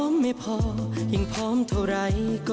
ขอบคุณครับ